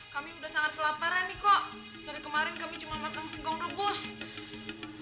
kami udah sangat kelaparan nih kok dari kemarin kami cuma makan singkong rebus